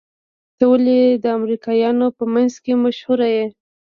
ته ولې د امريکايانو په منځ کې ډېر مشهور يې؟